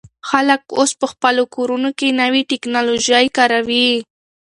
خلک اوس په خپلو کورونو کې نوې ټیکنالوژي کاروي.